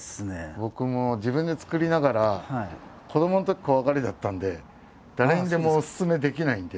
僕も自分で作りながら子どものとき怖がりだったんで誰にでもおすすめできないんで。